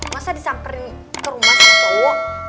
masa disamperin ke rumah sama cowok